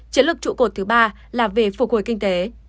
chiến lược trụ cột thứ ba là về phục hồi kinh tế